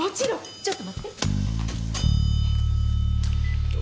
ちょっと待って。